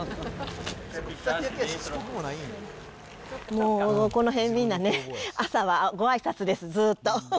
もう、この辺、みんなね、朝はごあいさつです、ずっと。